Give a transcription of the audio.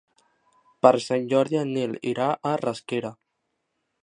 Per Sant Jordi en Nil irà a Rasquera.